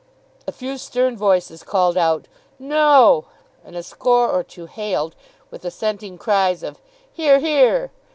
A few stern voices called out 'No!' and a score or two hailed, with assenting cries of 'Hear, hear!